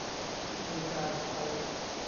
มีการใช้